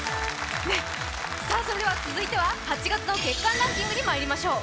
続いては８月の月間ランキングにまいりましょう。